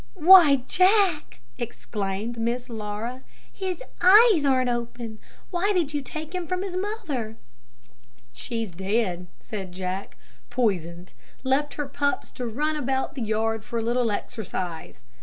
"Why, Jack!" exclaimed Miss Laura, "his eyes aren't open; why did you take him from his mother?" "She's dead," said Jack. "Poisoned left her pups to run about the yard for a little exercise.